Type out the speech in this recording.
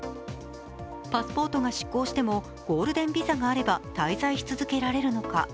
パスポートが失効しても、ゴールデンビザがあれば滞在し続けられるのか。